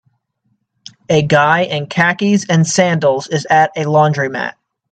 A guy in khakis and sandals is at a laundry mat.